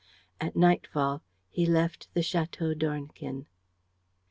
At nightfall he left the Château d'Ornequin.